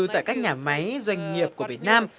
tại các nhà máy doanh nghiệp của việt nam